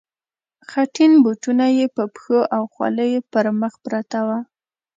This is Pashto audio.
خټین بوټونه یې په پښو او خولۍ یې پر مخ پرته وه.